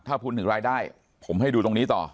ถ้าพูดถึงรายได้ผมให้ดูตรงนี้ต่อ